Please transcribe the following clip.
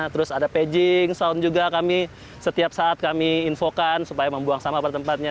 terus ada padging sound juga kami setiap saat kami infokan supaya membuang sampah pada tempatnya